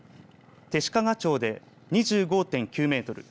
弟子屈町で２５．９メートル